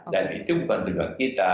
dan itu bukan cuma kita